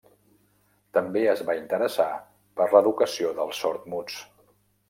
També es va interessar per l'educació dels sordmuts.